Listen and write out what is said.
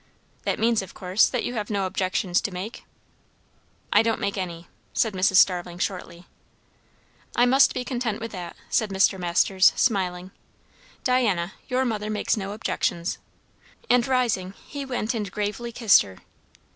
"That means, of course, that you have no objections to make?" "I don't make any," said Mrs. Starling shortly. "I must be content with that," said Mr. Masters, smiling. "Diana, your mother makes no objections." And rising, he went and gravely kissed her.